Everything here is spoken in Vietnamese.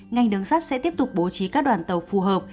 ngành đứng sát sẽ tiếp tục bố trí các đoàn tàu phù hợp